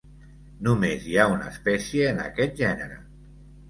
Només hi ha una espècie en aquest gènere.